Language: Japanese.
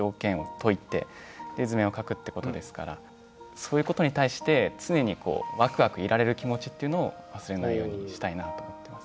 そういうことに対して常にワクワクいられる気持ちっていうのを忘れないようにしたいなと思ってます。